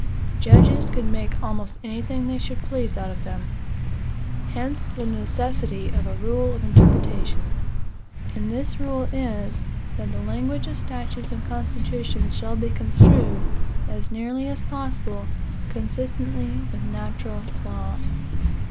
Judges could make almost anything they should please out of them. Hence the necessity of a rule of interpretation. And this rule is, that the language of statutes and constitutions shall be construed, as nearly as possible, consistently with natural law.